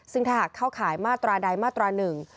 ซึ่งถ้าหากเข้าข่ายมาตราใดมาตราหนึ่ง